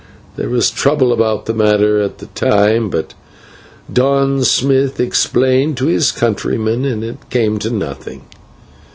There was trouble about the matter at the time, but Don Smith explained to his countrymen and it came to nothing."